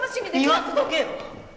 言わせとけよ！